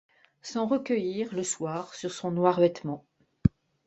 Sans recueillir, le soir, sur son noir vêtement